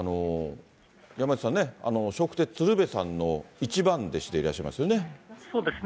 山内さんね、笑福亭鶴瓶さんの一番弟子でいらっしゃいますよね。